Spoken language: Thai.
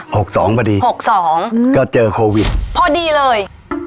หกสองอืมก็เจอโควิดพอดีเลย